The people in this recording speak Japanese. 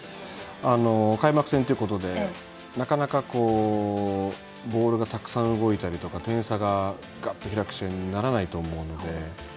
開幕戦ということでなかなかボールがたくさん動いたり点差が、ガッと開く試合にならないと思うので。